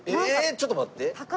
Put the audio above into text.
ちょっと待って。